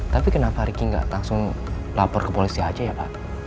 tapi kenapa ricky nggak langsung lapor ke polisi aja ya pak